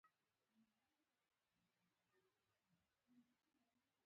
قدرت کېدای شي یو خطرناک څه وي.